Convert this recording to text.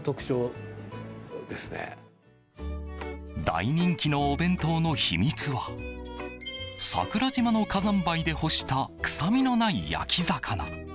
大人気のお弁当の秘密は桜島の火山灰で干した臭みのない焼き魚。